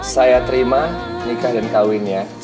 saya terima nikah dan kawinnya